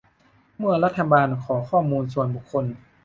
เมื่อรัฐบาลขอข้อมูลส่วนบุคคล